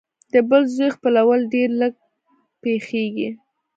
د بل زوی خپلول ډېر لږ پېښېږي